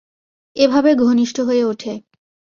এভাবেই ঘনিষ্ঠ হয়ে ওঠে।